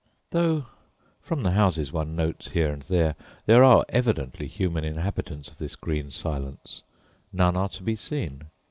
Though, from the houses one notes here and there, there are evidently human inhabitants of this green silence, none are to be seen.